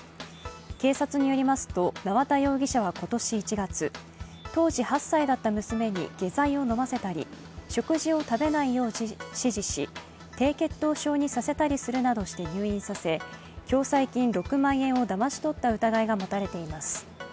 警察によりますと縄田容疑者は今年１月当時８歳だった娘に下剤を飲ませたり、食事を食べないよう指示し、低血糖症にさせたりするなどして入院させ共済金６万円をだまし取った疑いが持たれています。